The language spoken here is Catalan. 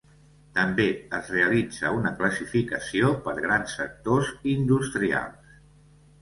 També es realitza una classificació per grans sectors industrials: